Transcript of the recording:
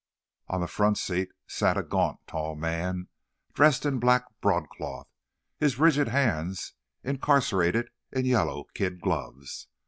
On the front seat sat a gaunt, tall man, dressed in black broadcloth, his rigid hands incarcerated in yellow kid gloves.